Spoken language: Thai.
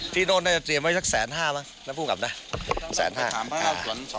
ที่โน้นน่าจะเตรียมไว้สัก๑๕๐๐๐๐บาทน้ำผู้กลับนะ๑๕๐๐๐๐บาท